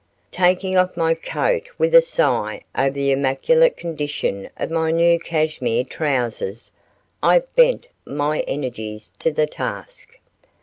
Taking off my coat with a sigh over the immaculate condition of my new cassimere trousers, I bent my energies to the task.